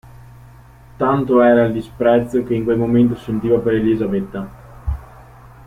Tanto era il disprezzo che in quel momento sentiva per Elisabetta.